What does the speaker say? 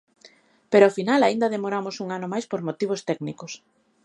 Pero ao final aínda demoramos un ano máis por motivos técnicos.